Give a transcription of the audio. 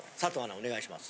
お願いします。